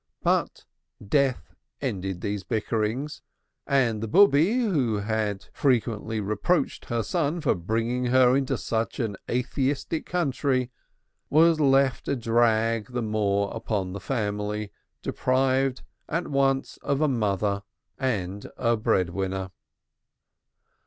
But death ended these bickerings and the Bube, who had frequently reproached her son for bringing her into such an atheistic country, was left a drag the more upon the family deprived at once of a mother and a bread winner.